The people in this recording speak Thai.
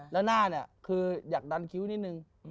แล้วหน้าเนี่ยคืออยากดันคิ้วนิดนึง